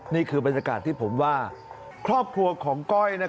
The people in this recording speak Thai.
นี่คือบรรยากาศที่ผมว่าครอบครัวของก้อย